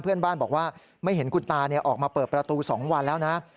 เพื่อนบ้านบอกว่าไม่เห็นคุณตาออกมาเปิดประตู๒วันแล้วนะ